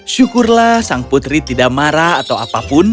syukurlah sang putri tidak marah atau apapun